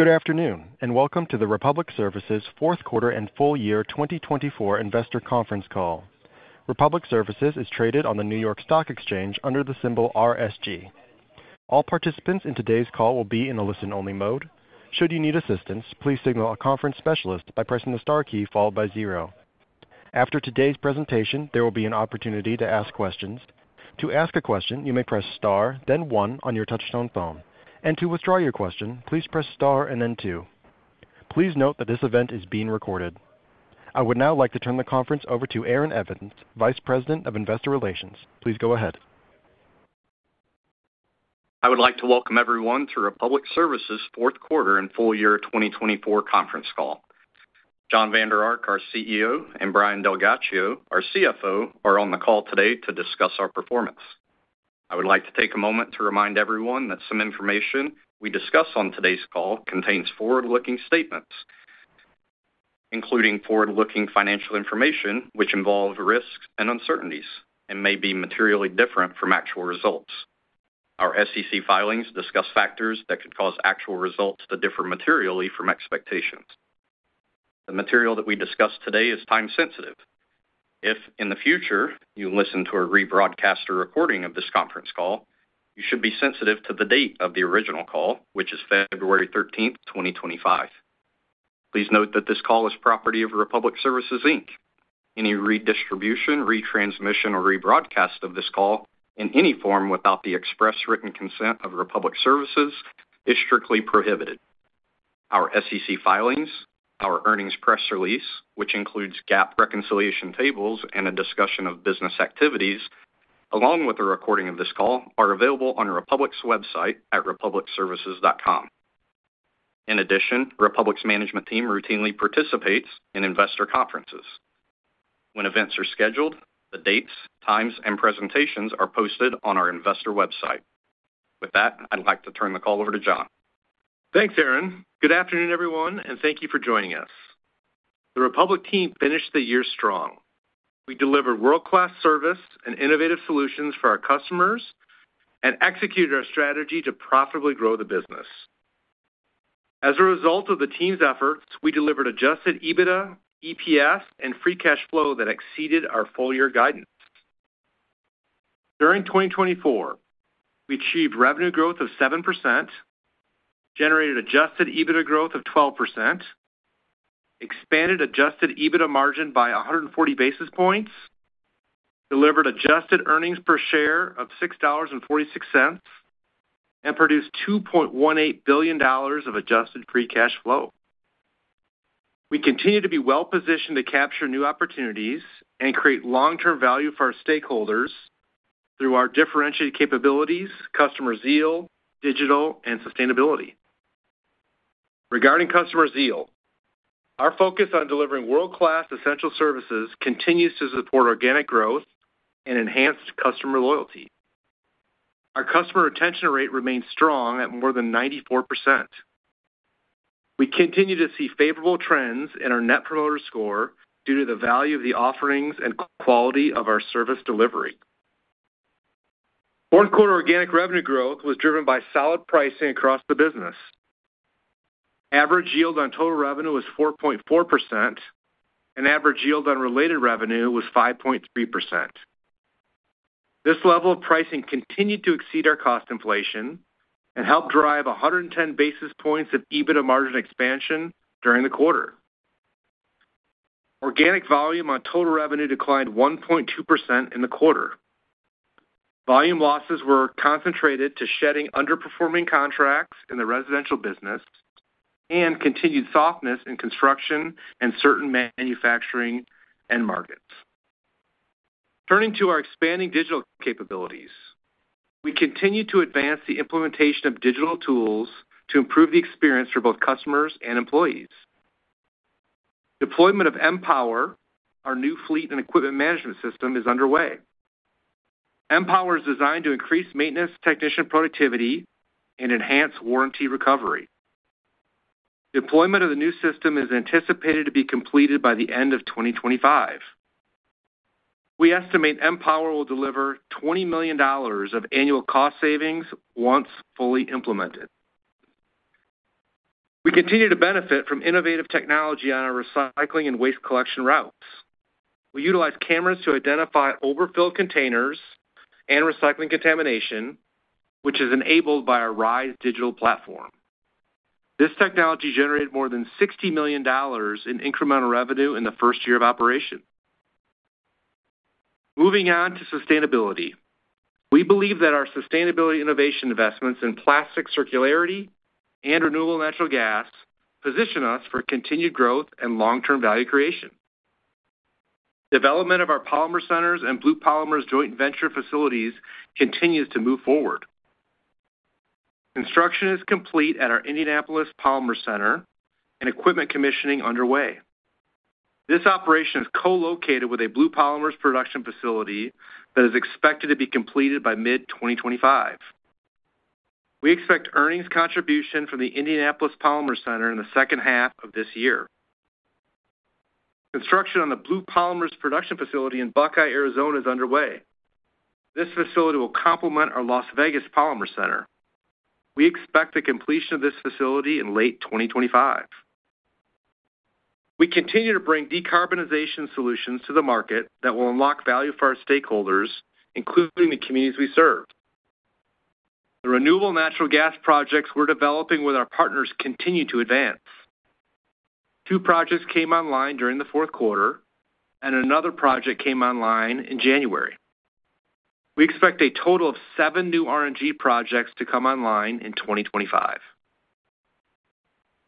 Good afternoon, and welcome to the Republic Services Fourth Quarter and Full Year 2024 Investor Conference Call. Republic Services is traded on the New York Stock Exchange under the symbol RSG. All participants in today's call will be in a listen-only mode. Should you need assistance, please signal a conference specialist by pressing the star key followed by zero. After today's presentation, there will be an opportunity to ask questions. To ask a question, you may press star, then one on your touchtone phone. And to withdraw your question, please press star and then two. Please note that this event is being recorded. I would now like to turn the conference over to Aaron Evans, Vice President of Investor Relations. Please go ahead. I would like to welcome everyone to Republic Services Fourth Quarter and Full Year 2024 Conference Call. Jon Vander Ark, our CEO, and Brian DelGhiaccio, our CFO, are on the call today to discuss our performance. I would like to take a moment to remind everyone that some information we discuss on today's call contains forward-looking statements, including forward-looking financial information which involves risks and uncertainties and may be materially different from actual results. Our SEC filings discuss factors that could cause actual results to differ materially from expectations. The material that we discuss today is time-sensitive. If, in the future, you listen to a rebroadcast or recording of this conference call, you should be sensitive to the date of the original call, which is February 13, 2025. Please note that this call is property of Republic Services, Inc. Any redistribution, retransmission, or rebroadcast of this call in any form without the express written consent of Republic Services is strictly prohibited. Our SEC filings, our earnings press release, which includes GAAP reconciliation tables and a discussion of business activities, along with a recording of this call, are available on Republic's website at republicservices.com. In addition, Republic's management team routinely participates in investor conferences. When events are scheduled, the dates, times, and presentations are posted on our investor website. With that, I'd like to turn the call over to Jon. Thanks, Aaron. Good afternoon, everyone, and thank you for joining us. The Republic team finished the year strong. We delivered world-class service and innovative solutions for our customers and executed our strategy to profitably grow the business. As a result of the team's efforts, we delivered Adjusted EBITDA, EPS, and free cash flow that exceeded our full-year guidance. During 2024, we achieved revenue growth of 7%, generated Adjusted EBITDA growth of 12%, expanded Adjusted EBITDA margin by 140 basis points, delivered adjusted earnings per share of $6.46, and produced $2.18 billion of Adjusted Free Cash Flow. We continue to be well-positioned to capture new opportunities and create long-term value for our stakeholders through our differentiated capabilities, customer zeal, digital, and sustainability. Regarding customer zeal, our focus on delivering world-class essential services continues to support organic growth and enhanced customer loyalty. Our customer retention rate remains strong at more than 94%. We continue to see favorable trends in our Net Promoter Score due to the value of the offerings and quality of our service delivery. Fourth quarter organic revenue growth was driven by solid pricing across the business. Average yield on total revenue was 4.4%, and average yield on related revenue was 5.3%. This level of pricing continued to exceed our cost inflation and helped drive 110 basis points of EBITDA margin expansion during the quarter. Organic volume on total revenue declined 1.2% in the quarter. Volume losses were concentrated to shedding underperforming contracts in the residential business and continued softness in construction and certain manufacturing end markets. Turning to our expanding digital capabilities, we continue to advance the implementation of digital tools to improve the experience for both customers and employees. Deployment of MPower, our new fleet and equipment management system, is underway, MPower is designed to increase maintenance technician productivity and enhance warranty recovery. Deployment of the new system is anticipated to be completed by the end of 2025. We estimate MPower will deliver $20 million of annual cost savings once fully implemented. We continue to benefit from innovative technology on our recycling and waste collection routes. We utilize cameras to identify overfilled containers and recycling contamination, which is enabled by our RISE digital platform. This technology generated more than $60 million in incremental revenue in the first year of operation. Moving on to sustainability, we believe that our sustainability innovation investments in plastic circularity and renewable natural gas position us for continued growth and long-term value creation. Development of our polymer centers and Blue Polymers joint venture facilities continues to move forward. Construction is complete at our Indianapolis Polymer Center and equipment commissioning underway. This operation is co-located with a Blue Polymers production facility that is expected to be completed by mid-2025. We expect earnings contribution from the Indianapolis Polymer Center in the second half of this year. Construction on the Blue Polymers production facility in Buckeye, Arizona, is underway. This facility will complement our Las Vegas Polymer Center. We expect the completion of this facility in late 2025. We continue to bring decarbonization solutions to the market that will unlock value for our stakeholders, including the communities we serve. The renewable natural gas projects we're developing with our partners continue to advance. Two projects came online during the fourth quarter, and another project came online in January. We expect a total of seven new RNG projects to come online in 2025.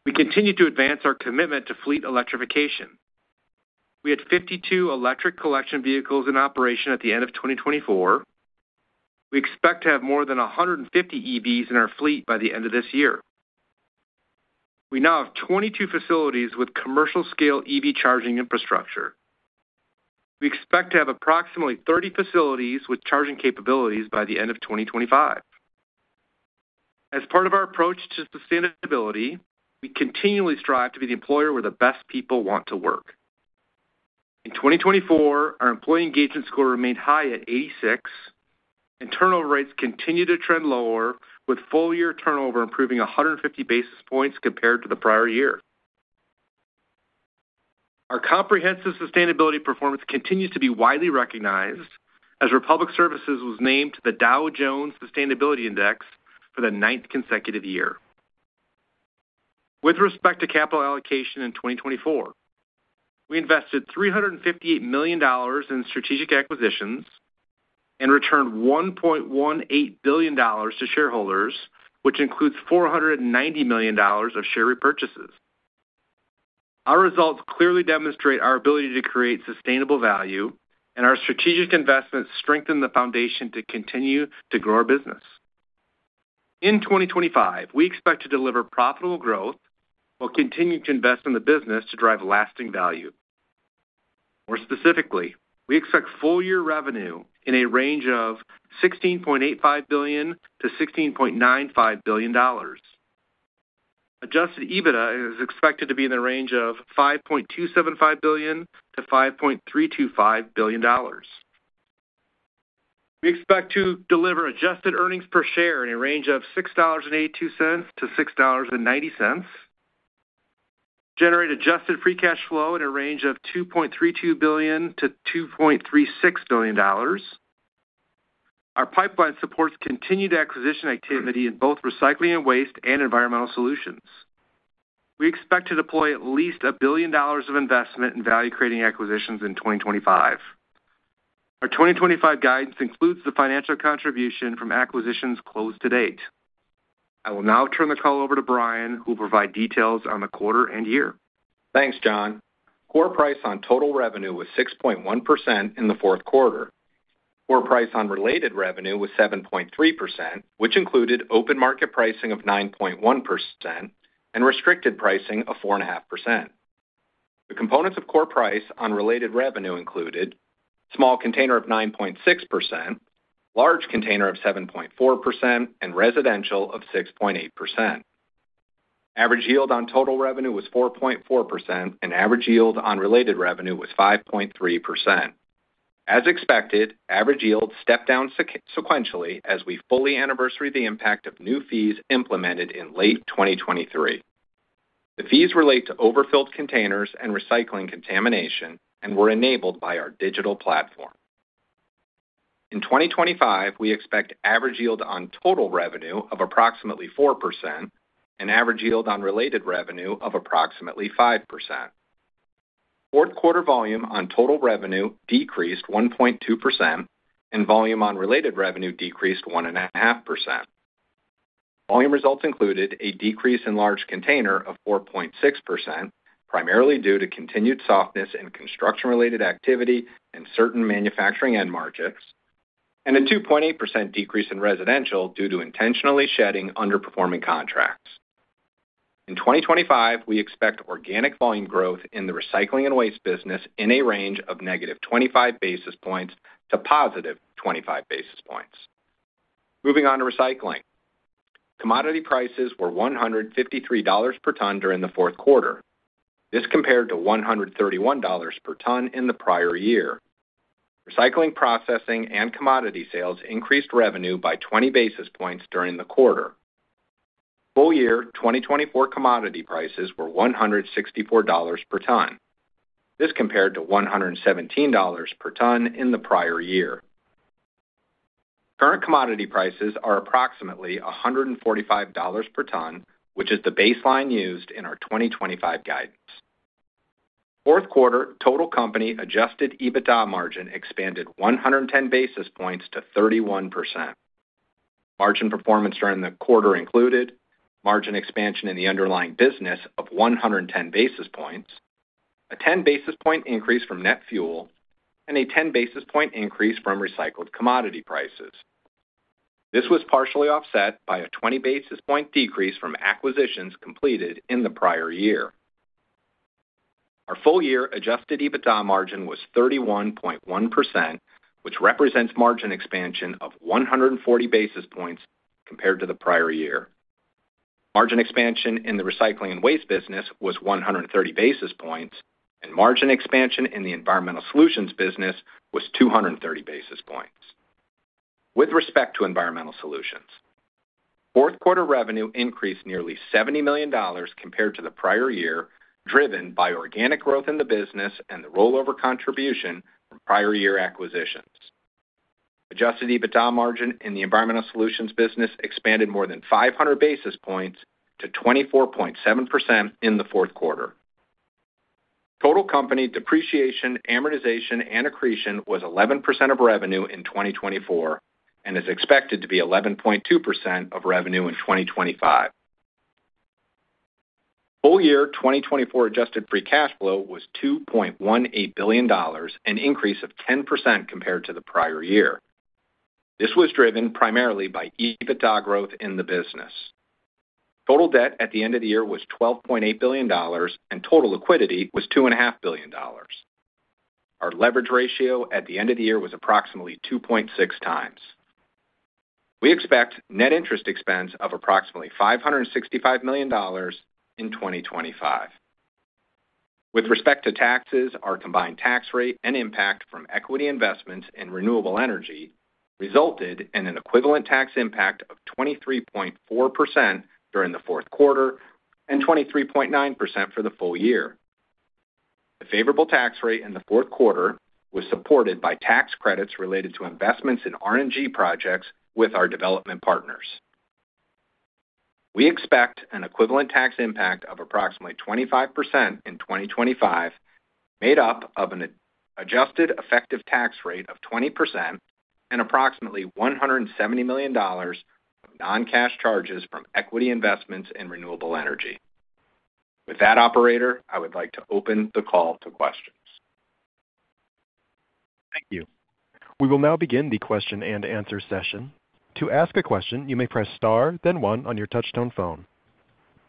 We continue to advance our commitment to fleet electrification. We had 52 electric collection vehicles in operation at the end of 2024. We expect to have more than 150 EVs in our fleet by the end of this year. We now have 22 facilities with commercial-scale EV charging infrastructure. We expect to have approximately 30 facilities with charging capabilities by the end of 2025. As part of our approach to sustainability, we continually strive to be the employer where the best people want to work. In 2024, our employee engagement score remained high at 86, and turnover rates continued to trend lower, with full-year turnover improving 150 basis points compared to the prior year. Our comprehensive sustainability performance continues to be widely recognized as Republic Services was named the Dow Jones Sustainability Index for the ninth consecutive year. With respect to capital allocation in 2024, we invested $358 million in strategic acquisitions and returned $1.18 billion to shareholders, which includes $490 million of share repurchases. Our results clearly demonstrate our ability to create sustainable value, and our strategic investments strengthen the foundation to continue to grow our business. In 2025, we expect to deliver profitable growth while continuing to invest in the business to drive lasting value. More specifically, we expect full-year revenue in a range of $16.85 billion-$16.95 billion. Adjusted EBITDA is expected to be in the range of $5.275 billion-$5.325 billion. We expect to deliver adjusted earnings per share in a range of $6.82-$6.90, generate adjusted free cash flow in a range of $2.32 billion-$2.36 billion. Our pipeline supports continued acquisition activity in both recycling and waste and environmental solutions. We expect to deploy at least $1 billion of investment in value-creating acquisitions in 2025. Our 2025 guidance includes the financial contribution from acquisitions closed to date. I will now turn the call over to Brian, who will provide details on the quarter and year. Thanks, Jon. Core price on total revenue was 6.1% in the fourth quarter. Core price on related revenue was 7.3%, which included open market pricing of 9.1% and restricted pricing of 4.5%. The components of core price on related revenue included small container of 9.6%, large container of 7.4%, and residential of 6.8%. Average yield on total revenue was 4.4%, and average yield on related revenue was 5.3%. As expected, average yields stepped down sequentially as we fully anniversary the impact of new fees implemented in late 2023. The fees relate to overfilled containers and recycling contamination and were enabled by our digital platform. In 2025, we expect average yield on total revenue of approximately 4% and average yield on related revenue of approximately 5%. Fourth-quarter volume on total revenue decreased 1.2%, and volume on related revenue decreased 1.5%. Volume results included a decrease in large container of 4.6%, primarily due to continued softness in construction-related activity and certain manufacturing end markets, and a 2.8% decrease in residential due to intentionally shedding underperforming contracts. In 2025, we expect organic volume growth in the recycling and waste business in a range of -25 basis points to +25 basis points. Moving on to recycling. Commodity prices were $153 per ton during the fourth quarter. This compared to $131 per ton in the prior year. Recycling, processing, and commodity sales increased revenue by 20 basis points during the quarter. Full-year 2024 commodity prices were $164 per ton. This compared to $117 per ton in the prior year. Current commodity prices are approximately $145 per ton, which is the baseline used in our 2025 guidance. Fourth-quarter total company Adjusted EBITDA margin expanded 110 basis points to 31%. Margin performance during the quarter included margin expansion in the underlying business of 110 basis points, a 10 basis point increase from net fuel, and a 10 basis point increase from recycled commodity prices. This was partially offset by a 20 basis point decrease from acquisitions completed in the prior year. Our full-year Adjusted EBITDA margin was 31.1%, which represents margin expansion of 140 basis points compared to the prior year. Margin expansion in the recycling and waste business was 130 basis points, and margin expansion in the environmental solutions business was 230 basis points. With respect to environmental solutions, fourth-quarter revenue increased nearly $70 million compared to the prior year, driven by organic growth in the business and the rollover contribution from prior-year acquisitions. Adjusted EBITDA margin in the environmental solutions business expanded more than 500 basis points to 24.7% in the fourth quarter. Total company depreciation, amortization, and accretion was 11% of revenue in 2024 and is expected to be 11.2% of revenue in 2025. Full-year 2024 adjusted free cash flow was $2.18 billion, an increase of 10% compared to the prior year. This was driven primarily by EBITDA growth in the business. Total debt at the end of the year was $12.8 billion, and total liquidity was $2.5 billion. Our leverage ratio at the end of the year was approximately 2.6 times. We expect net interest expense of approximately $565 million in 2025. With respect to taxes, our combined tax rate and impact from equity investments in renewable energy resulted in an equivalent tax impact of 23.4% during the fourth quarter and 23.9% for the full year. The favorable tax rate in the fourth quarter was supported by tax credits related to investments in RNG projects with our development partners. We expect an equivalent tax impact of approximately 25% in 2025, made up of an adjusted effective tax rate of 20% and approximately $170 million of non-cash charges from equity investments in renewable energy. With that, Operator, I would like to open the call to questions. Thank you. We will now begin the question and answer session. To ask a question, you may press star, then one on your touch-tone phone.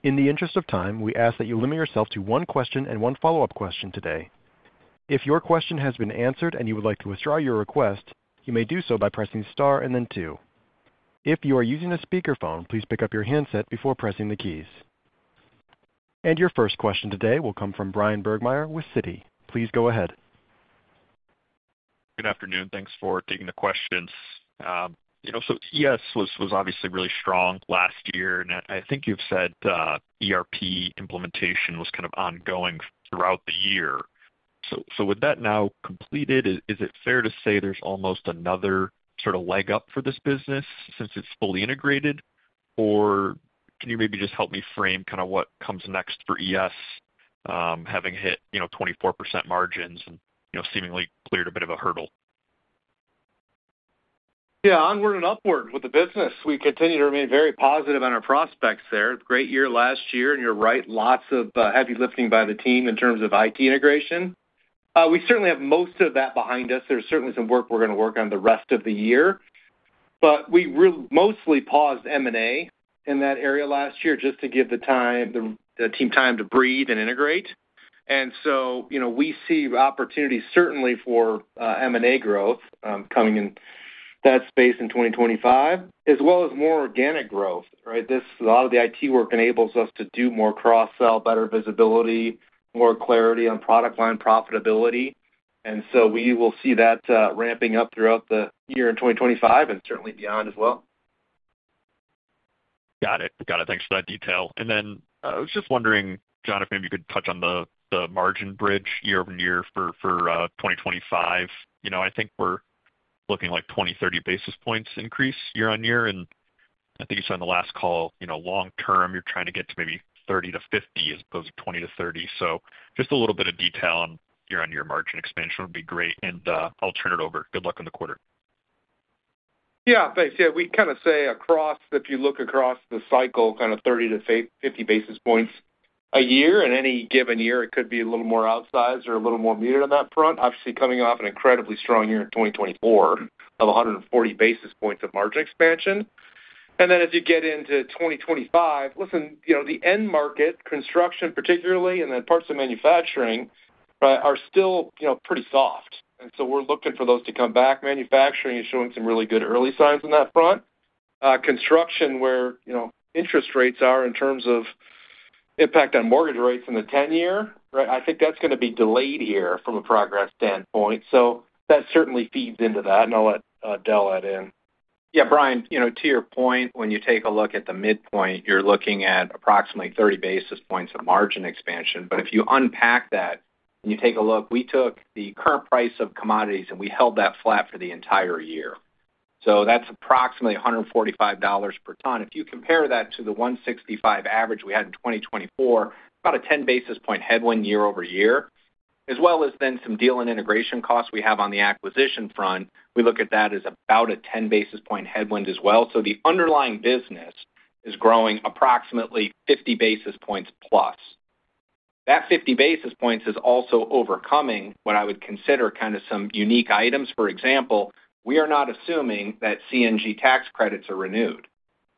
In the interest of time, we ask that you limit yourself to one question and one follow-up question today. If your question has been answered and you would like to withdraw your request, you may do so by pressing star and then two. If you are using a speakerphone, please pick up your handset before pressing the keys, and your first question today will come from Bryan Burgmeier with Citi. Please go ahead. Good afternoon. Thanks for taking the questions. So ES was obviously really strong last year, and I think you've said ERP implementation was kind of ongoing throughout the year. So with that now completed, is it fair to say there's almost another sort of leg up for this business since it's fully integrated? Or can you maybe just help me frame kind of what comes next for ES, having hit 24% margins and seemingly cleared a bit of a hurdle? Yeah, onward and upward with the business. We continue to remain very positive on our prospects there. Great year last year, and you're right, lots of heavy lifting by the team in terms of IT integration. We certainly have most of that behind us. There's certainly some work we're going to work on the rest of the year. But we mostly paused M&A in that area last year just to give the team time to breathe and integrate. And so we see opportunities certainly for M&A growth coming in that space in 2025, as well as more organic growth. Right? A lot of the IT work enables us to do more cross-sell, better visibility, more clarity on product line profitability. And so we will see that ramping up throughout the year in 2025 and certainly beyond as well. Got it. Got it. Thanks for that detail. And then I was just wondering, Jon, if maybe you could touch on the margin bridge year-over-year for 2025. I think we're looking like 20-30 basis points increase year-on-year. And I think you said on the last call, long term, you're trying to get to maybe 30-50 as opposed to 20-30. So just a little bit of detail on year-on-year margin expansion would be great. And I'll turn it over. Good luck in the quarter. Yeah. Thanks. Yeah. We kind of say across, if you look across the cycle, kind of 30-50 basis points a year. In any given year, it could be a little more outsized or a little more muted on that front. Obviously, coming off an incredibly strong year in 2024 of 140 basis points of margin expansion. And then as you get into 2025, listen, the end market, construction particularly, and then parts of manufacturing, right, are still pretty soft. And so we're looking for those to come back. Manufacturing is showing some really good early signs on that front. Construction, where interest rates are in terms of impact on mortgage rates in the 10-year, right, I think that's going to be delayed here from a progress standpoint. So that certainly feeds into that, and I'll let Del add in. Yeah, Bryan, to your point, when you take a look at the midpoint, you're looking at approximately 30 basis points of margin expansion. But if you unpack that and you take a look, we took the current price of commodities and we held that flat for the entire year. So that's approximately $145 per ton. If you compare that to the $165 average we had in 2024, about a 10 basis point headwind year-over-year, as well as then some deal and integration costs we have on the acquisition front, we look at that as about a 10 basis point headwind as well. So the underlying business is growing approximately 50 basis points plus. That 50 basis points is also overcoming what I would consider kind of some unique items. For example, we are not assuming that CNG tax credits are renewed.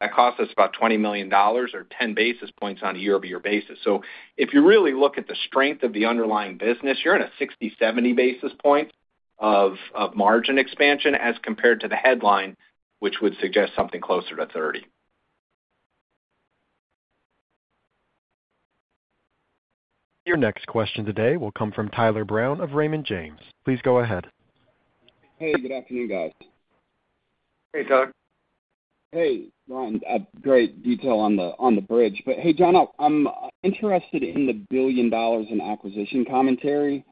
That costs us about $20 million or 10 basis points on a year-over-year basis. So if you really look at the strength of the underlying business, you're in a 60-70 basis point of margin expansion as compared to the headline, which would suggest something closer to 30. Your next question today will come from Tyler Brown of Raymond James. Please go ahead. Hey, good afternoon, guys. Hey, Tyler. Hey, Brian. Great detail on the bridge. But hey, Jon, I'm interested in the $1 billion in acquisition commentary.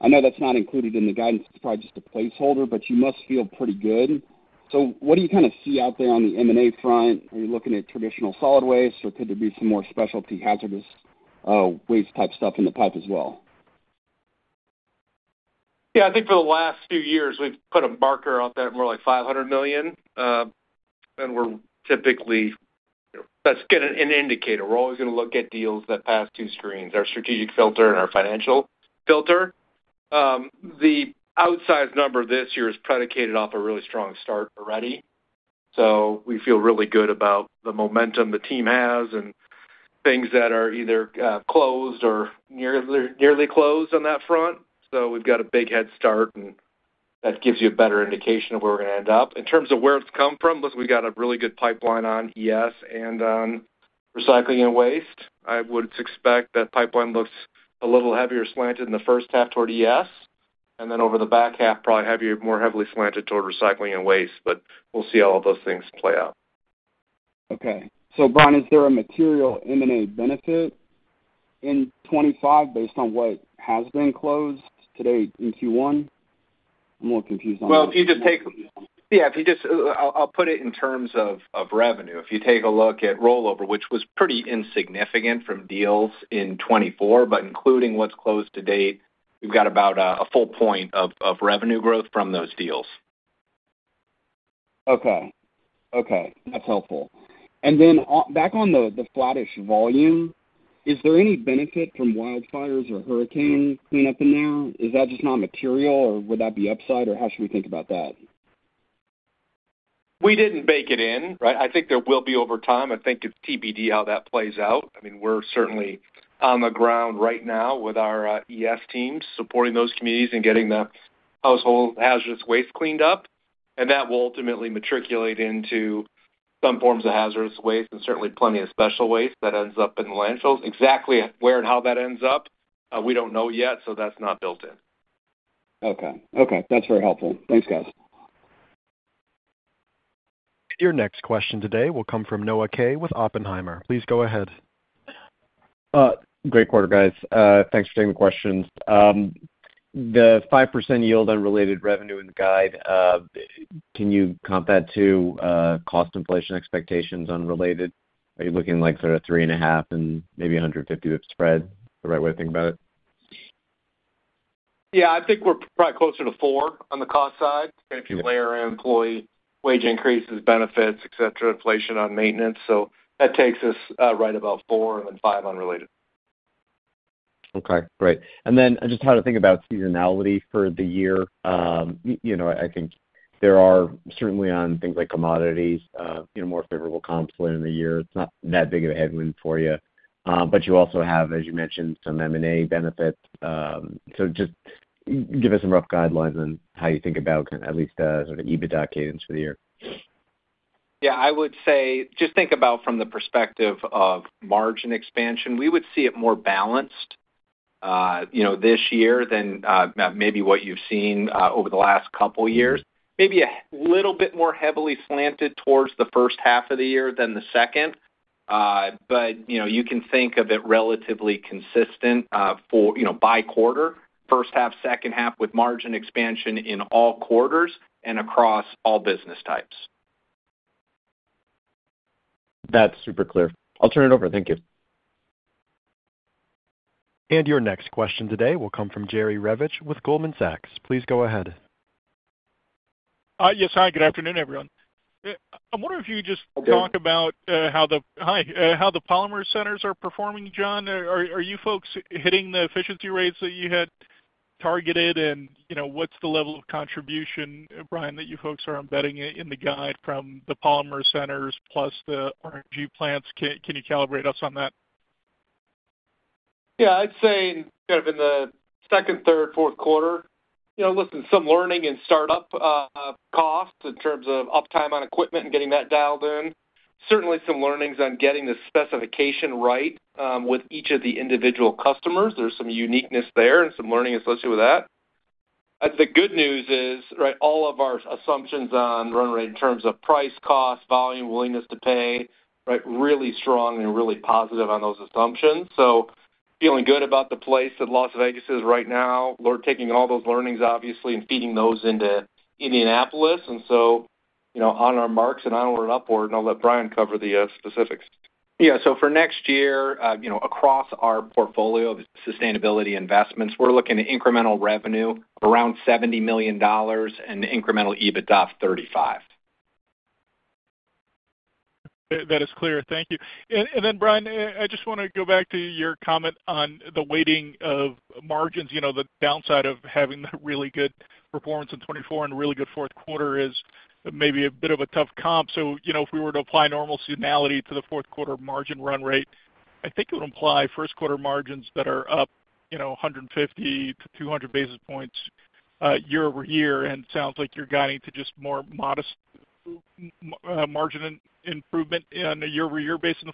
I know that's not included in the guidance. It's probably just a placeholder, but you must feel pretty good. So what do you kind of see out there on the M&A front? Are you looking at traditional solid waste, or could there be some more specialty hazardous waste type stuff in the pipe as well? Yeah, I think for the last few years, we've put a marker out there at more like $500 million. And we're typically. That's kind of an indicator. We're always going to look at deals that pass two screens, our strategic filter and our financial filter. The outsized number this year is predicated off a really strong start already. So we feel really good about the momentum the team has and things that are either closed or nearly closed on that front. So we've got a big head start, and that gives you a better indication of where we're going to end up. In terms of where it's come from, listen, we've got a really good pipeline on ES and on recycling and waste. I would expect that pipeline looks a little heavier slanted in the first half toward ES, and then over the back half, probably more heavily slanted toward recycling and waste, but we'll see all of those things play out. Okay, so Brian, is there a material M&A benefit in 2025 based on what has been closed to date in Q1? I'm a little confused on that. If you just take, I'll put it in terms of revenue. If you take a look at rollover, which was pretty insignificant from deals in 2024, but including what's closed to date, we've got about a full point of revenue growth from those deals. Okay. Okay. That's helpful. And then back on the flattish volume, is there any benefit from wildfires or hurricane cleanup in there? Is that just not material, or would that be upside, or how should we think about that? We didn't bake it in, right? I think there will be over time. I think it's TBD how that plays out. I mean, we're certainly on the ground right now with our ES teams supporting those communities and getting the household hazardous waste cleaned up, and that will ultimately materialize into some forms of hazardous waste and certainly plenty of special waste that ends up in landfills. Exactly where and how that ends up, we don't know yet, so that's not built in. Okay. Okay. That's very helpful. Thanks, guys. Your next question today will come from Noah Kaye with Oppenheimer. Please go ahead. Great quarter, guys. Thanks for taking the questions. The 5% yield unrelated revenue in the guide, can you count that to cost inflation expectations unrelated? Are you looking like sort of three and a half and maybe 150 with spread? The right way to think about it? Yeah, I think we're probably closer to four on the cost side. If you layer in employee wage increases, benefits, etc., inflation on maintenance. So that takes us right about four and then five unrelated. Okay. Great. And then just how to think about seasonality for the year. I think there are certainly on things like commodities, more favorable comps later in the year. It's not that big of a headwind for you. But you also have, as you mentioned, some M&A benefits. So just give us some rough guidelines on how you think about at least sort of EBITDA cadence for the year. Yeah. I would say just think about from the perspective of margin expansion. We would see it more balanced this year than maybe what you've seen over the last couple of years. Maybe a little bit more heavily slanted towards the first half of the year than the second. But you can think of it relatively consistent by quarter. First half, second half with margin expansion in all quarters and across all business types. That's super clear. I'll turn it over. Thank you. Your next question today will come from Jerry Revich with Goldman Sachs. Please go ahead. Yes, hi. Good afternoon, everyone. I'm wondering if you could just talk about how the polymer centers are performing, Jon. Are you folks hitting the efficiency rates that you had targeted, and what's the level of contribution, Brian, that you folks are embedding in the guide from the polymer centers plus the RNG plants? Can you calibrate us on that? Yeah. I'd say kind of in the second, third, fourth quarter, listen, some learning in startup costs in terms of uptime on equipment and getting that dialed in. Certainly some learnings on getting the specification right with each of the individual customers. There's some uniqueness there and some learning associated with that. The good news is, right, all of our assumptions on run rate in terms of price, cost, volume, willingness to pay, right, really strong and really positive on those assumptions. So feeling good about the place that Las Vegas is right now, we're taking all those learnings, obviously, and feeding those into Indianapolis. And so on our marks and onward and upward, and I'll let Brian cover the specifics. Yeah, so for next year, across our portfolio of sustainability investments, we're looking at incremental revenue around $70 million and incremental EBITDA of 35. That is clear. Thank you. And then, Brian, I just want to go back to your comment on the weighting of margins. The downside of having really good performance in 2024 and really good fourth quarter is maybe a bit of a tough comp. So if we were to apply normal seasonality to the fourth quarter margin run rate, I think it would imply first quarter margins that are up 150-200 basis points year-over-year. And it sounds like you're guiding to just more modest margin improvement on a year-over-year base in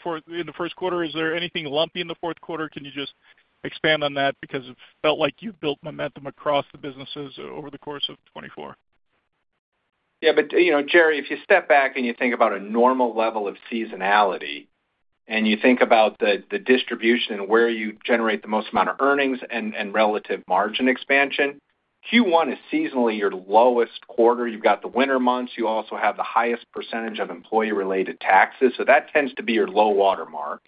the first quarter. Is there anything lumpy in the fourth quarter? Can you just expand on that because it felt like you've built momentum across the businesses over the course of 2024? Yeah. But Jerry, if you step back and you think about a normal level of seasonality and you think about the distribution and where you generate the most amount of earnings and relative margin expansion, Q1 is seasonally your lowest quarter. You've got the winter months. You also have the highest percentage of employee-related taxes. So that tends to be your low watermark.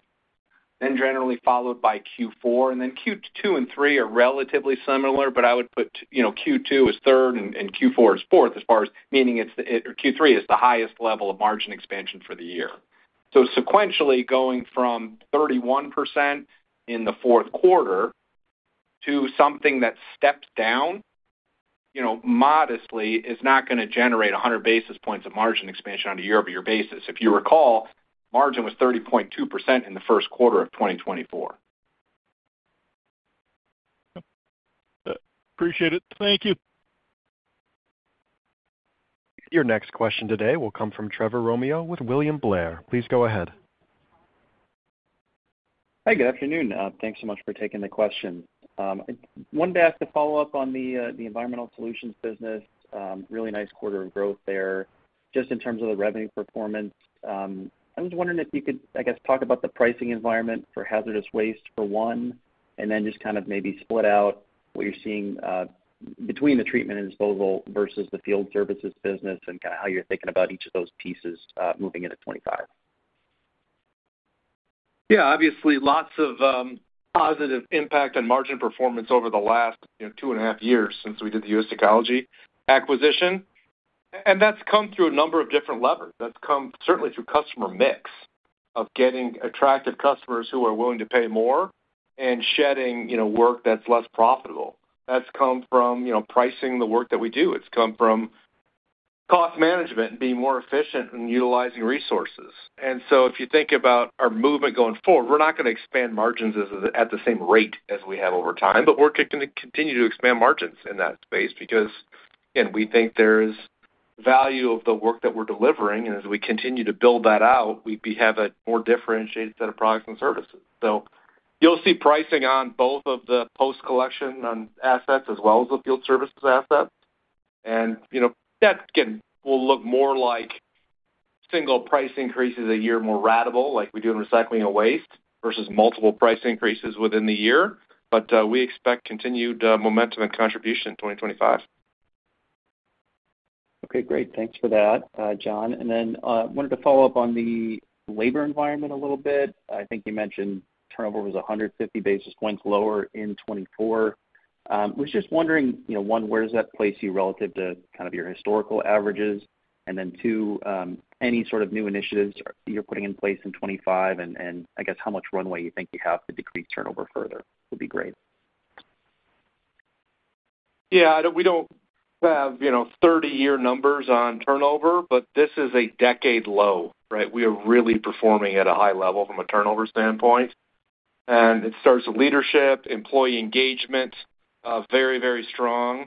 Then generally followed by Q4, and then Q2 and 3 are relatively similar, but I would put Q2 as third and Q4 as fourth as far as meaning Q3 is the highest level of margin expansion for the year, so sequentially going from 31% in the fourth quarter to something that steps down modestly is not going to generate 100 basis points of margin expansion on a year-over-year basis. If you recall, margin was 30.2% in the first quarter of 2024. Appreciate it. Thank you. Your next question today will come from Trevor Romeo with William Blair. Please go ahead. Hey, good afternoon. Thanks so much for taking the question. I wanted to ask a follow-up on the environmental solutions business. Really nice quarter of growth there. Just in terms of the revenue performance, I was wondering if you could, I guess, talk about the pricing environment for hazardous waste for one, and then just kind of maybe split out what you're seeing between the treatment and disposal versus the field services business and kind of how you're thinking about each of those pieces moving into 2025. Yeah. Obviously, lots of positive impact on margin performance over the last two and a half years since we did the US Ecology acquisition. And that's come through a number of different levers. That's come certainly through customer mix of getting attractive customers who are willing to pay more and shedding work that's less profitable. That's come from pricing the work that we do. It's come from cost management and being more efficient in utilizing resources. And so if you think about our movement going forward, we're not going to expand margins at the same rate as we have over time, but we're going to continue to expand margins in that space because, again, we think there is value of the work that we're delivering. And as we continue to build that out, we have a more differentiated set of products and services. You'll see pricing on both of the post-collection assets as well as the field services assets. And that, again, will look more like single price increases a year, more ratable like we do in recycling and waste versus multiple price increases within the year. But we expect continued momentum and contribution in 2025. Okay. Great. Thanks for that, Jon. And then I wanted to follow up on the labor environment a little bit. I think you mentioned turnover was 150 basis points lower in 2024. I was just wondering, one, where does that place you relative to kind of your historical averages? And then two, any sort of new initiatives you're putting in place in 2025 and, I guess, how much runway you think you have to decrease turnover further would be great. Yeah. We don't have 30-year numbers on turnover, but this is a decade low, right? We are really performing at a high level from a turnover standpoint. And it starts with leadership, employee engagement, very, very strong.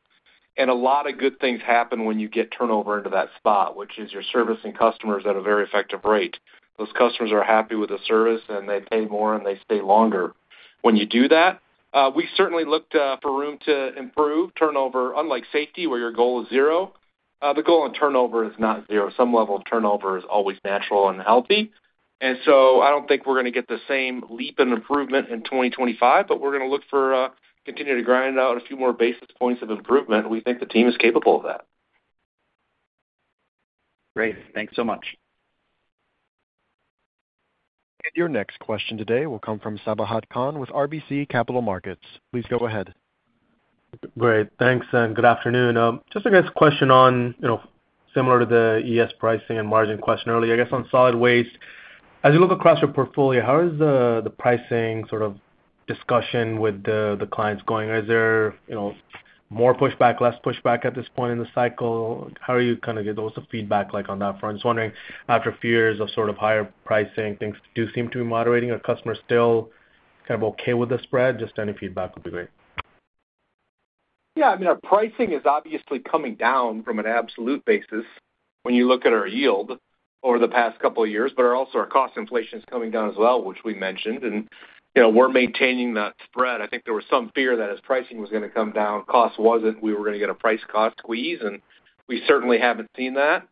And a lot of good things happen when you get turnover into that spot, which is you're servicing customers at a very effective rate. Those customers are happy with the service, and they pay more, and they stay longer when you do that. We certainly looked for room to improve. Turnover, unlike safety, where your goal is zero, the goal on turnover is not zero. Some level of turnover is always natural and healthy. And so I don't think we're going to get the same leap in improvement in 2025, but we're going to look for continuing to grind out a few more basis points of improvement. We think the team is capable of that. Great. Thanks so much. And your next question today will come from Sabahat Khan with RBC Capital Markets. Please go ahead. Great. Thanks, and good afternoon. Just a question on similar to the ES pricing and margin question earlier. I guess on solid waste, as you look across your portfolio, how is the pricing sort of discussion with the clients going? Is there more pushback, less pushback at this point in the cycle? How are you kind of getting the most feedback on that front? Just wondering, after a few years of sort of higher pricing, things do seem to be moderating. Are customers still kind of okay with the spread? Just any feedback would be great. Yeah. I mean, our pricing is obviously coming down from an absolute basis when you look at our yield over the past couple of years, but also our cost inflation is coming down as well, which we mentioned. And we're maintaining that spread. I think there was some fear that as pricing was going to come down, cost wasn't. We were going to get a price cost squeeze, and we certainly haven't seen that.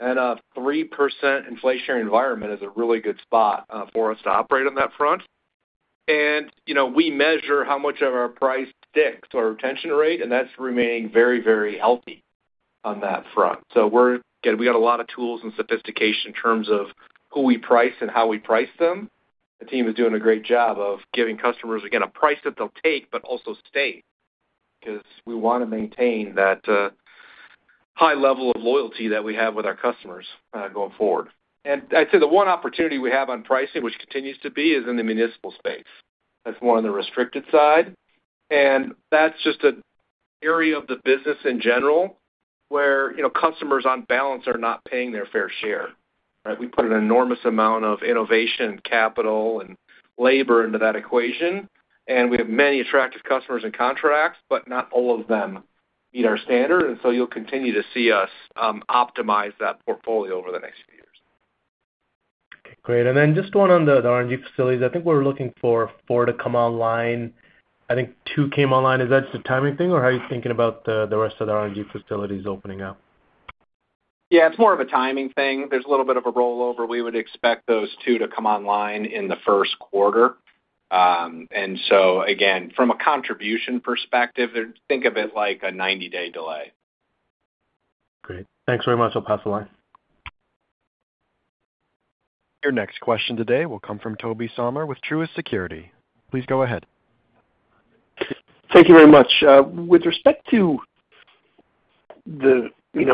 And a 3% inflationary environment is a really good spot for us to operate on that front. And we measure how much of our price sticks to our retention rate, and that's remaining very, very healthy on that front. So we got a lot of tools and sophistication in terms of who we price and how we price them. The team is doing a great job of giving customers, again, a price that they'll take but also stay because we want to maintain that high level of loyalty that we have with our customers going forward. And I'd say the one opportunity we have on pricing, which continues to be, is in the municipal space. That's more on the restricted side. And that's just an area of the business in general where customers on balance are not paying their fair share, right? We put an enormous amount of innovation and capital and labor into that equation. And we have many attractive customers and contracts, but not all of them meet our standard. And so you'll continue to see us optimize that portfolio over the next few years. Great. And then just one on the RNG facilities. I think we're looking for four to come online. I think two came online. Is that just a timing thing, or how are you thinking about the rest of the RNG facilities opening up? Yeah. It's more of a timing thing. There's a little bit of a rollover. We would expect those two to come online in the first quarter. And so, again, from a contribution perspective, think of it like a 90-day delay. Great. Thanks very much. I'll pass the line. Your next question today will come from Toby Sommer with Truist Securities. Please go ahead. Thank you very much. With respect to the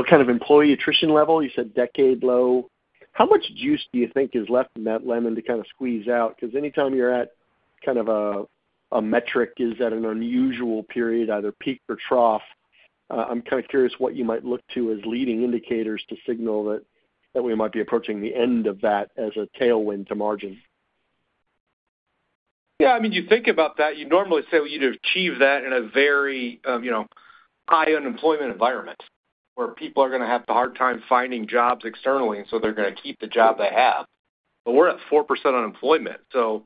kind of employee attrition level, you said decade low. How much juice do you think is left in that lemon to kind of squeeze out? Because anytime you're at kind of a metric, is that an unusual period, either peak or trough? I'm kind of curious what you might look to as leading indicators to signal that we might be approaching the end of that as a tailwind to margin. Yeah. I mean, you think about that, you normally say you'd achieve that in a very high unemployment environment where people are going to have a hard time finding jobs externally, and so they're going to keep the job they have. But we're at 4% unemployment. So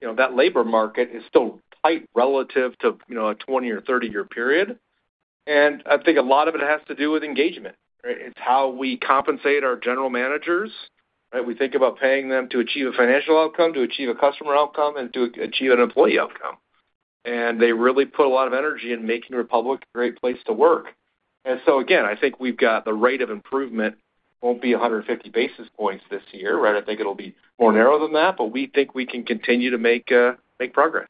that labor market is still tight relative to a 20 or 30-year period. And I think a lot of it has to do with engagement, right? It's how we compensate our general managers, right? We think about paying them to achieve a financial outcome, to achieve a customer outcome, and to achieve an employee outcome. And they really put a lot of energy in making Republic a great place to work. And so, again, I think we've got the rate of improvement won't be 150 basis points this year, right? I think it'll be more narrow than that, but we think we can continue to make progress.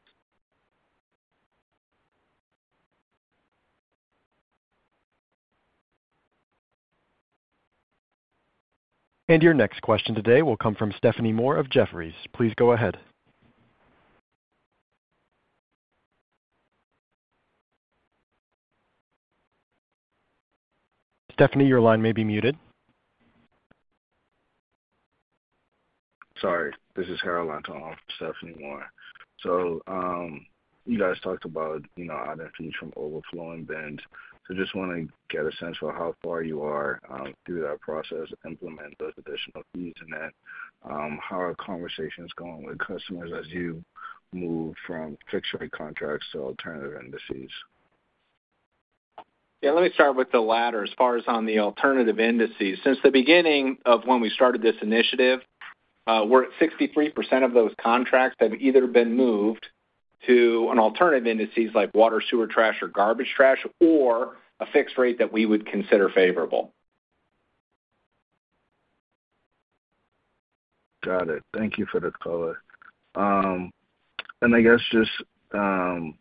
Your next question today will come from Stephanie Moore of Jefferies. Please go ahead. Stephanie, your line may be muted. Sorry. This is Harold Antor, Stephanie Moore. So you guys talked about adding fees for overflowing bins. So just want to get a sense of how far you are through that process, implement those additional fees in it. How are conversations going with customers as you move from fixed-rate contracts to alternative indices? Yeah. Let me start with the latter as far as on the alternative indices. Since the beginning of when we started this initiative, we're at 63% of those contracts that have either been moved to an alternative indices like water, sewer, trash, or garbage trash, or a fixed rate that we would consider favorable. Got it. Thank you for the call. And I guess just on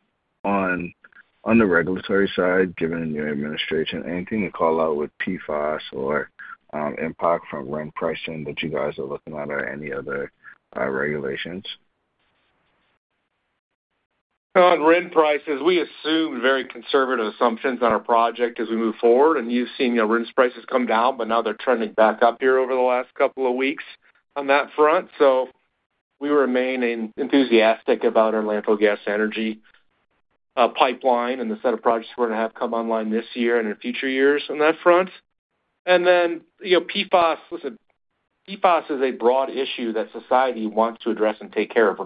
the regulatory side, given the new administration, anything to call out with PFAS or impact from RNG pricing that you guys are looking at or any other regulations? On RIN prices, we assumed very conservative assumptions on our project as we move forward. And you've seen RIN prices come down, but now they're trending back up here over the last couple of weeks on that front. So we remain enthusiastic about our natural gas energy pipeline and the set of projects we're going to have come online this year and in future years on that front. And then PFAS, listen, PFAS is a broad issue that society wants to address and take care of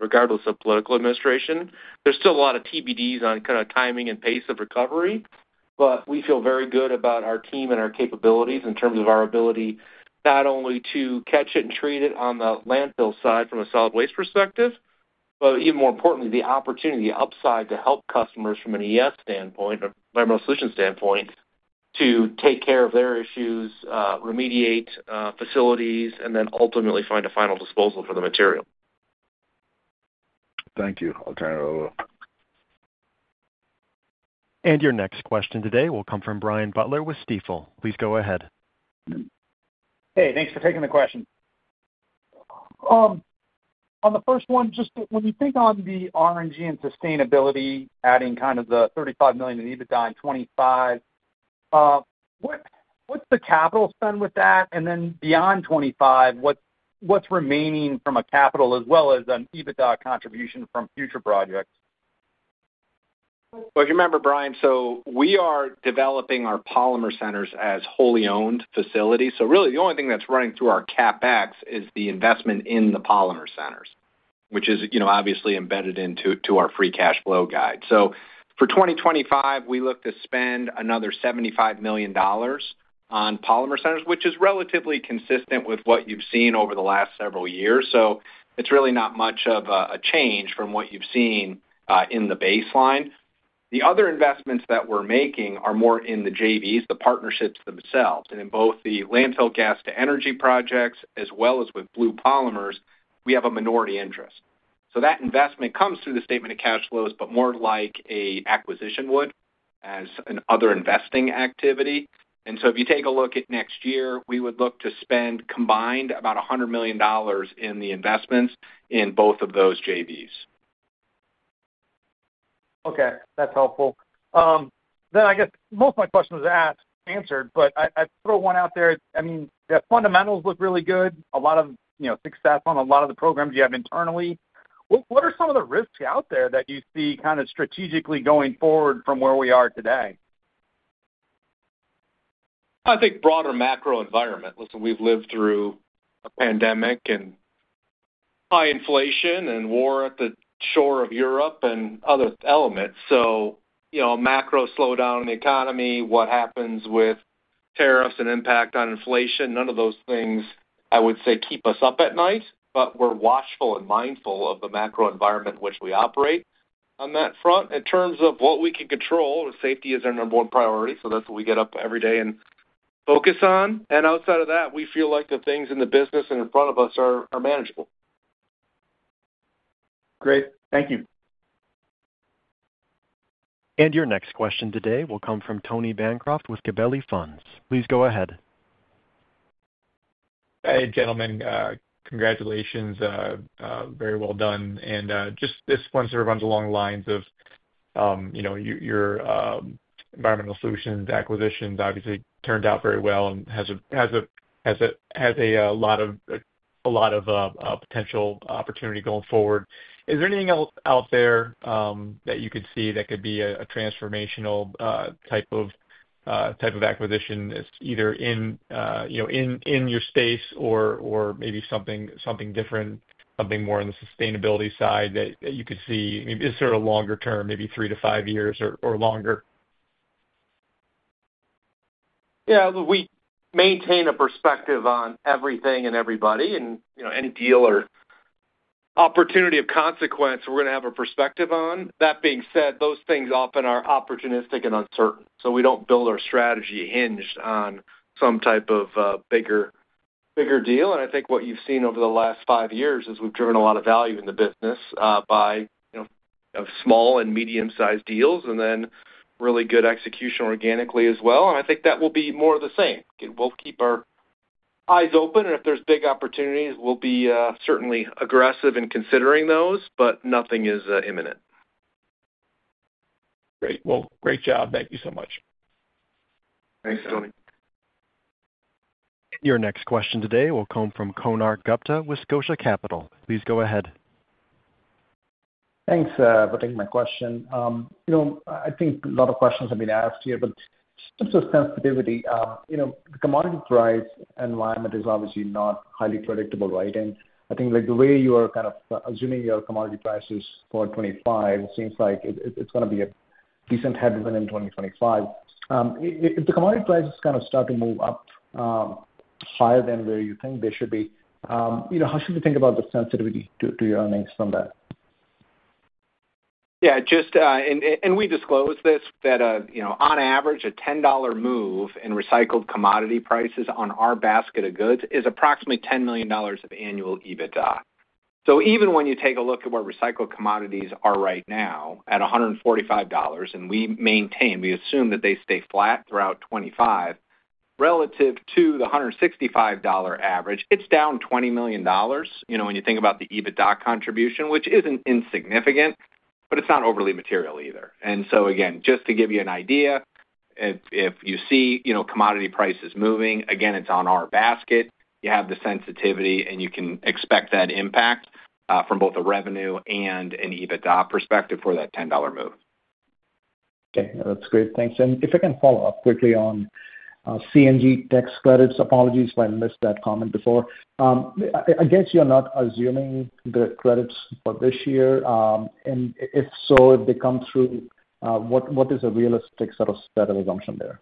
regardless of political administration. There's still a lot of TBDs on kind of timing and pace of recovery, but we feel very good about our team and our capabilities in terms of our ability not only to catch it and treat it on the landfill side from a solid waste perspective, but even more importantly, the opportunity, the upside to help customers from an ES standpoint, environmental solution standpoint, to take care of their issues, remediate facilities, and then ultimately find a final disposal for the material. Thank you. I'll turn it over. And your next question today will come from Brian Butler with Stifel. Please go ahead. Hey, thanks for taking the question. On the first one, just when you think on the RNG and sustainability, adding kind of the $35 million in EBITDA in 2025, what's the capital spend with that? And then beyond 2025, what's remaining from a capital as well as an EBITDA contribution from future projects? If you remember, Brian, we are developing our polymer centers as wholly owned facilities. Really, the only thing that's running through our CapEx is the investment in the polymer centers, which is obviously embedded into our free cash flow guide. For 2025, we look to spend another $75 million on polymer centers, which is relatively consistent with what you've seen over the last several years. It's really not much of a change from what you've seen in the baseline. The other investments that we're making are more in the JVs, the partnerships themselves. In both the landfill gas-to-energy projects as well as with Blue Polymers, we have a minority interest. That investment comes through the statement of cash flows, but more like an acquisition would as an other investing activity. And so if you take a look at next year, we would look to spend combined about $100 million in the investments in both of those JVs. Okay. That's helpful. Then I guess most of my questions are answered, but I throw one out there. I mean, the fundamentals look really good. A lot of success on a lot of the programs you have internally. What are some of the risks out there that you see kind of strategically going forward from where we are today? I think broader macro environment. Listen, we've lived through a pandemic and high inflation and war at the shore of Europe and other elements. So a macro slowdown in the economy, what happens with tariffs and impact on inflation, none of those things, I would say, keep us up at night, but we're watchful and mindful of the macro environment in which we operate, on that front. In terms of what we can control, safety is our number one priority. So that's what we get up every day and focus on. And outside of that, we feel like the things in the business and in front of us are manageable. Great. Thank you. Your next question today will come from Tony Bancroft with Gabelli Funds. Please go ahead. Hey, gentlemen. Congratulations. Very well done. And just this one sort of runs along the lines of your environmental solutions acquisitions, obviously, turned out very well and has a lot of potential opportunity going forward. Is there anything else out there that you could see that could be a transformational type of acquisition, either in your space or maybe something different, something more on the sustainability side that you could see? Is there a longer term, maybe three to five years or longer? Yeah. We maintain a perspective on everything and everybody, and any deal or opportunity of consequence, we're going to have a perspective on. That being said, those things often are opportunistic and uncertain, so we don't build our strategy hinged on some type of bigger deal, and I think what you've seen over the last five years is we've driven a lot of value in the business by small and medium-sized deals and then really good execution organically as well, and I think that will be more of the same. We'll keep our eyes open, and if there's big opportunities, we'll be certainly aggressive in considering those, but nothing is imminent. Great. Well, great job. Thank you so much. Thanks, Tony. Your next question today will come from Kunal Gupta, Winslow Capital. Please go ahead. Thanks for taking my question. I think a lot of questions have been asked here, but just a sensitivity. The commodity price environment is obviously not highly predictable, right? And I think the way you are kind of assuming your commodity prices for 2025 seems like it's going to be a decent headwind in 2025. If the commodity prices kind of start to move up higher than where you think they should be, how should we think about the sensitivity to your earnings from that? Yeah. And we disclose this that on average, a $10 move in recycled commodity prices on our basket of goods is approximately $10 million of annual EBITDA. So even when you take a look at what recycled commodities are right now at $145, and we maintain, we assume that they stay flat throughout 2025, relative to the $165 average, it's down $20 million when you think about the EBITDA contribution, which isn't insignificant, but it's not overly material either. And so, again, just to give you an idea, if you see commodity prices moving, again, it's on our basket. You have the sensitivity, and you can expect that impact from both a revenue and an EBITDA perspective for that $10 move. Okay. That's great. Thanks. And if I can follow up quickly on CNG tax credits, apologies if I missed that comment before. I guess you're not assuming the credits for this year. And if so, if they come through, what is a realistic sort of set of assumptions there?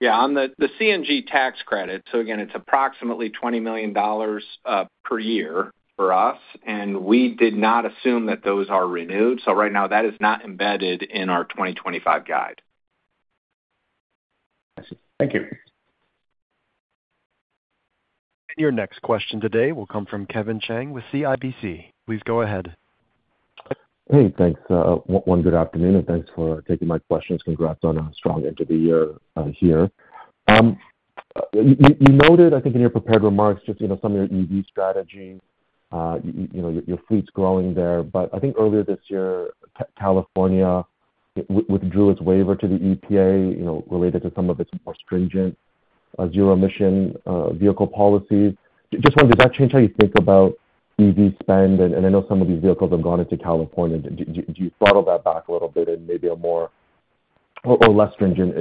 Yeah. On the CNG tax credit, so again, it's approximately $20 million per year for us, and we did not assume that those are renewed. So right now, that is not embedded in our 2025 guide. I see. Thank you. Your next question today will come from Kevin Chiang with CIBC. Please go ahead. Hey, thanks. Good afternoon, and thanks for taking my questions. Congrats on a strong year here. You noted, I think, in your prepared remarks, just some of your EV strategy, your fleets growing there. But I think earlier this year, California withdrew its waiver to the EPA related to some of its more stringent zero-emission vehicle policies. Just wondered, does that change how you think about EV spend? And I know some of these vehicles have gone into California. Do you throttle that back a little bit in maybe a more or less stringent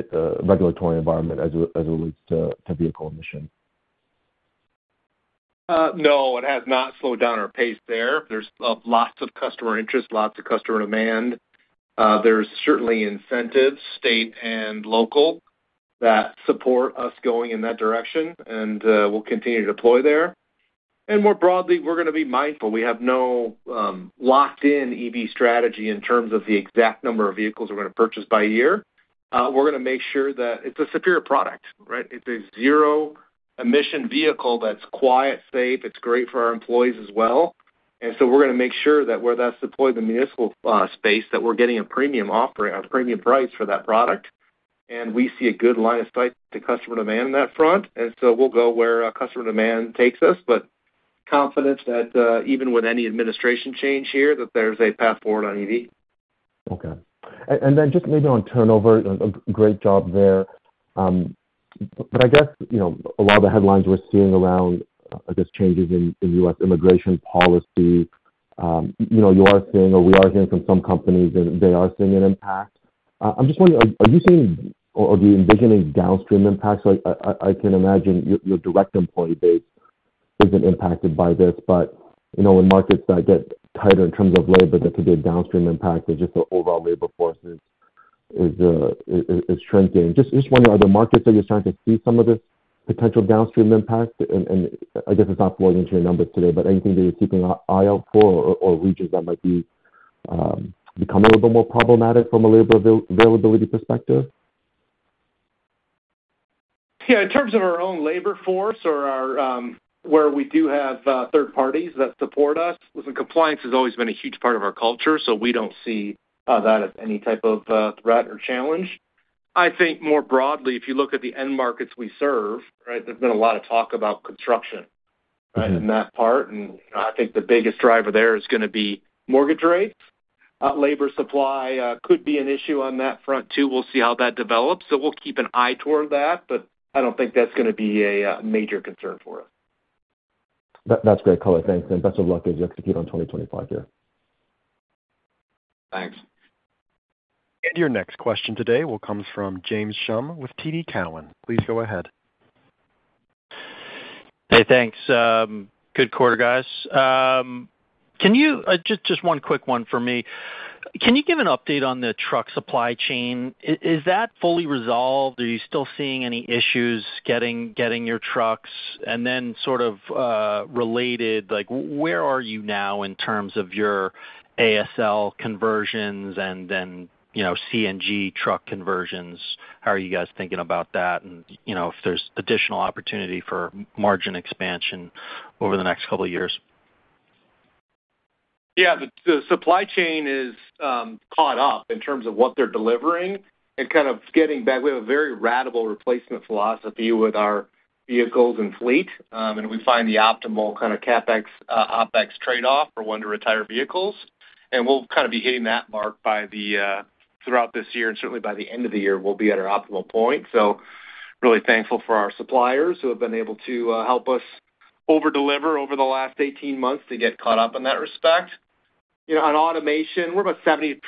regulatory environment as it relates to vehicle emission? No, it has not slowed down our pace there. There's lots of customer interest, lots of customer demand. There's certainly incentives, state and local, that support us going in that direction, and we'll continue to deploy there. And more broadly, we're going to be mindful. We have no locked-in EV strategy in terms of the exact number of vehicles we're going to purchase by year. We're going to make sure that it's a superior product, right? It's a zero-emission vehicle that's quiet, safe. It's great for our employees as well. And so we're going to make sure that where that's deployed in the municipal space, that we're getting a premium offering or a premium price for that product. And we see a good line of sight to customer demand on that front. And so we'll go where customer demand takes us, but confident that even with any administration change here, that there's a path forward on EV. Okay. And then just maybe on turnover, a great job there. But I guess a lot of the headlines we're seeing around, I guess, changes in U.S. immigration policy, you are seeing, or we are hearing from some companies, and they are seeing an impact. I'm just wondering, are you seeing or do you envision a downstream impact? So I can imagine your direct employee base isn't impacted by this, but in markets that get tighter in terms of labor, there could be a downstream impact as just the overall labor force is shrinking. Just wondering, are there markets that you're starting to see some of this potential downstream impact? And I guess it's not flowing into your numbers today, but anything that you're keeping an eye out for or regions that might be becoming a little bit more problematic from a labor availability perspective? Yeah. In terms of our own labor force or where we do have third parties that support us, listen, compliance has always been a huge part of our culture, so we don't see that as any type of threat or challenge. I think more broadly, if you look at the end markets we serve, right, there's been a lot of talk about construction, right, in that part. And I think the biggest driver there is going to be mortgage rates. Labor supply could be an issue on that front too. We'll see how that develops. So we'll keep an eye toward that, but I don't think that's going to be a major concern for us. That's great color. Thanks. And best of luck as you execute on 2025 here. Thanks. And your next question today will come from James Schumm with TD Cowen. Please go ahead. Hey, thanks. Good quarter, guys. Just one quick one for me. Can you give an update on the truck supply chain? Is that fully resolved? Are you still seeing any issues getting your trucks? And then sort of related, where are you now in terms of your ASL conversions and then CNG truck conversions? How are you guys thinking about that and if there's additional opportunity for margin expansion over the next couple of years? Yeah. The supply chain is caught up in terms of what they're delivering and kind of getting back. We have a very radical replacement philosophy with our vehicles and fleet, and we find the optimal kind of CapEx, OpEx trade-off for when to retire vehicles. And we'll kind of be hitting that mark throughout this year, and certainly by the end of the year, we'll be at our optimal point. So really thankful for our suppliers who have been able to help us overdeliver over the last 18 months to get caught up in that respect. On automation, we're about 77%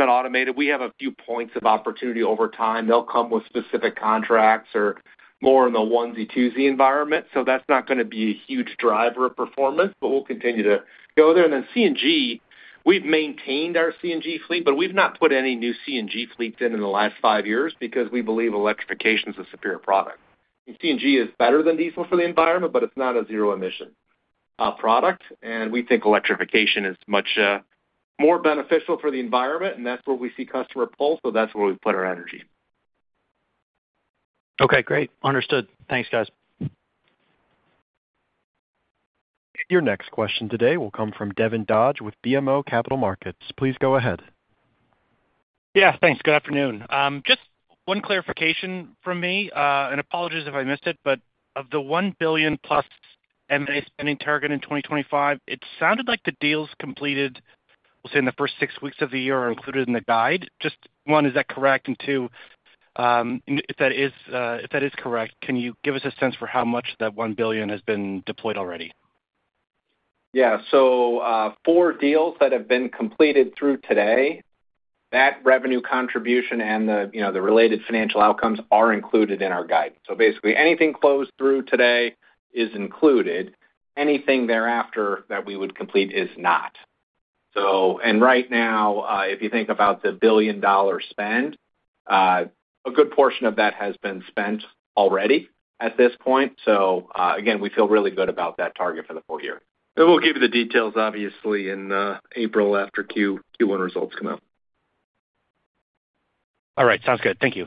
automated. We have a few points of opportunity over time. They'll come with specific contracts or more in the onesie-twosie environment. So that's not going to be a huge driver of performance, but we'll continue to go there. And then CNG, we've maintained our CNG fleet, but we've not put any new CNG fleets in the last five years because we believe electrification is a superior product. And CNG is better than diesel for the environment, but it's not a zero-emission product. And we think electrification is much more beneficial for the environment, and that's where we see customer pull. So that's where we put our energy. Okay. Great. Understood. Thanks, guys. Your next question today will come from Devin Dodge with BMO Capital Markets. Please go ahead. Yeah. Thanks. Good afternoon. Just one clarification from me, and apologies if I missed it, but of the $1 billion-plus M&A spending target in 2025, it sounded like the deals completed, we'll say in the first six weeks of the year, are included in the guide. Just one, is that correct, and two, if that is correct, can you give us a sense for how much of that $1 billion has been deployed already? Yeah. So four deals that have been completed through today, that revenue contribution and the related financial outcomes are included in our guide. So basically, anything closed through today is included. Anything thereafter that we would complete is not. And right now, if you think about the $1 billion spend, a good portion of that has been spent already at this point. So again, we feel really good about that target for the full year. And we'll give you the details, obviously, in April after Q1 results come out. All right. Sounds good. Thank you.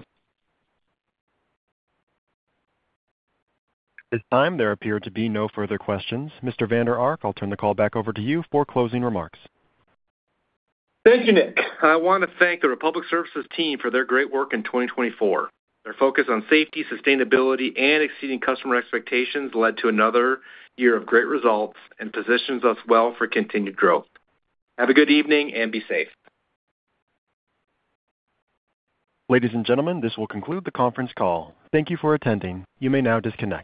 At this time, there appear to be no further questions. Mr. Vander Ark, I'll turn the call back over to you for closing remarks. Thank you, Nick. I want to thank the Republic Services team for their great work in 2024. Their focus on safety, sustainability, and exceeding customer expectations led to another year of great results and positions us well for continued growth. Have a good evening and be safe. Ladies and gentlemen, this will conclude the conference call. Thank you for attending. You may now disconnect.